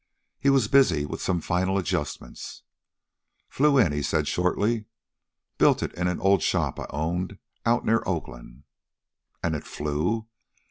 He was busy with some final adjustments. "Flew it in," he said shortly. "Built it in an old shop I owned out near Oakland." "And it flew?"